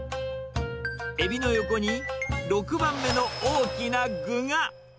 エビの横に６番目の大きな具が。